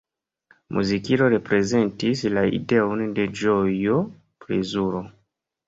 Muzikilo reprezentis la ideon de ĝojo, plezuro.